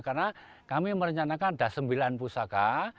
karena kami merencanakan ada sembilan pusaka